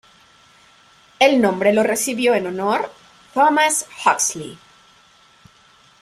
El nombre lo recibió en honor Thomas Huxley.